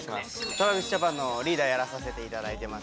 ＴｒａｖｉｓＪａｐａｎのリーダーやらさせていただいてます